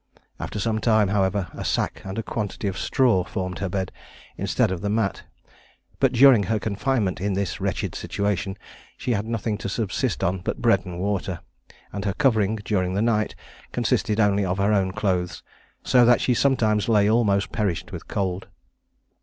After some time, however, a sack and a quantity of straw formed her bed, instead of the mat; but during her confinement in this wretched situation, she had nothing to subsist on but bread and water; and her covering, during the night, consisted only of her own clothes, so that she sometimes lay almost perished with cold.